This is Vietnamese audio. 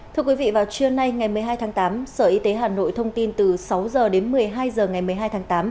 thưa quý vị vào trưa nay ngày một mươi hai tháng tám sở y tế hà nội thông tin từ sáu h đến một mươi hai h ngày một mươi hai tháng tám